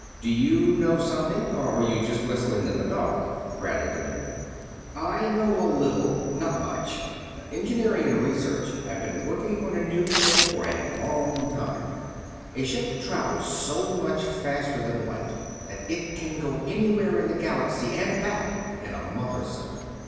"Do you know something, or are you just whistling in the dark?" Bradley demanded. "I know a little; not much. Engineering and Research have been working on a new ship for a long time; a ship to travel so much faster than light that it can go anywhere in the Galaxy and back in a month or so.